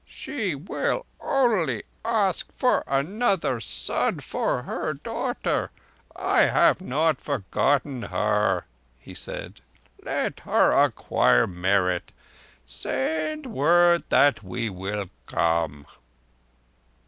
"She will only ask for another son for her daughter. I have not forgotten her," he said. "Let her acquire merit. Send word that we will come."